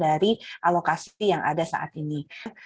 dari alokasi yang ada saat ini